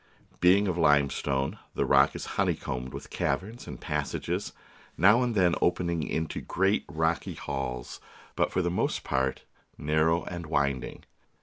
Being of limestone, the rock is honeycombed with caverns and passages, now and then opening into great rocky halls, but for the most part narrow and winding.